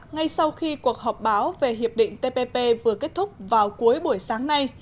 ngay sau khi cuộc họp báo về hiệp định tpp vừa kết thúc vào cuối buổi sáng nay